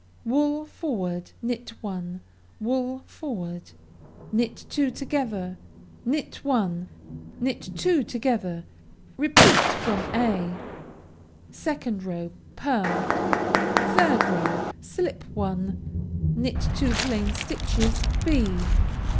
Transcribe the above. _) Wool forward. Knit one. Wool forward. Knit two together. Knit one. Knit two together. Repeat from (a.) 2nd row Pearled. 3rd row Slip one. Knit two plain stitches (_b.